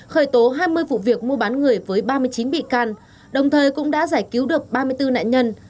khởi tố hai mươi vụ việc mua bán người với ba mươi chín bị can đồng thời cũng đã giải cứu được ba mươi bốn nạn nhân